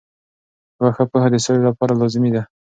یوه ښه پوهه د سولې لپاره لازمي ده.